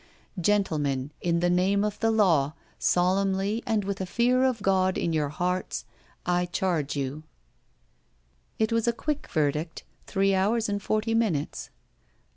''Gentlemen, in the name of the law, solemnly and with a fear of God in your hearts, I charge yotu" It was a quick verdict. Three hours and forty minutes.